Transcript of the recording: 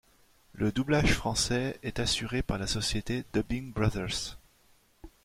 Le doublage français est assuré par la société Dubbing Brothers.